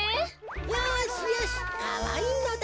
よしよしかわいいのだ。